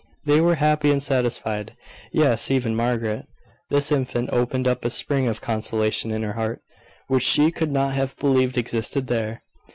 They were happy and satisfied. Yes, even Margaret. This infant opened up a spring of consolation in her heart, which she could not have believed existed there.